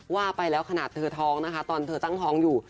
ว่าไปแล้วขนาดเธอท้องนะคะตอนเธอตั้งท้องอยู่